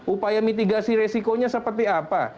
upaya mitigasi resikonya seperti apa